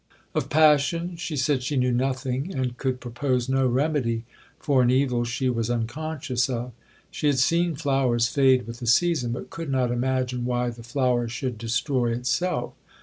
Of passion, she said she knew nothing, and could propose no remedy for an evil she was unconscious of. She had seen flowers fade with the season, but could not imagine why the flower should destroy itself.